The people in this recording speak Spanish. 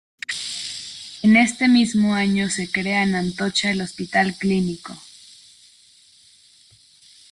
En este mismo año se crea en Atocha el Hospital Clínico.